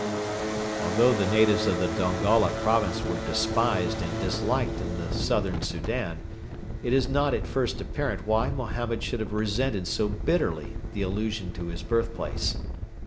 Although the natives of the Dongola province were despised and disliked in the Southern Soudan, it is not at first apparent why Mohammed should have resented so bitterly the allusion to his birthplace.